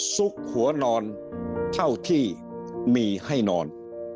ซุกหัวนอนเท่าที่มีให้นอน